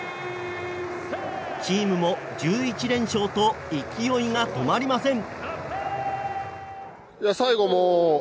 チームも１１連勝と勢いが止まりません。